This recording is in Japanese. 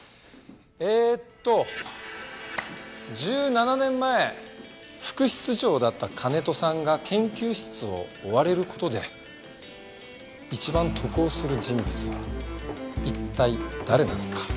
えーっと１７年前副室長だった金戸さんが研究室を追われる事で一番得をする人物は一体誰なのか？